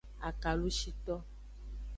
Akalushito.